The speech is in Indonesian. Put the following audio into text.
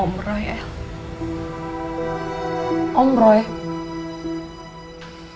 ibu lagi kecewa sama om roy el